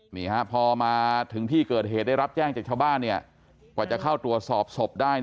นี่ฮะพอมาถึงที่เกิดเหตุได้รับแจ้งจากชาวบ้านกว่าจะเข้าตรวจสอบศพได้